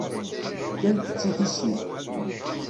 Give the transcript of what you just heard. Fkant-tt i tissit.